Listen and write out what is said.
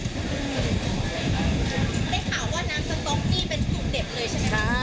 ได้ข่าวว่าน้ำสต๊อกนี่เป็นสูตรเด็ดเลยใช่ไหมคะ